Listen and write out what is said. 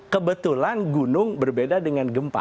kebetulan gunung berbeda dengan gempa